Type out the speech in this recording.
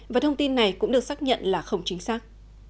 và thông tin này cũng được xác nhận là không chính xác